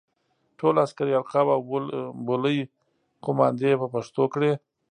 ټول عسکري القاب او بولۍ قوماندې یې په پښتو کړې.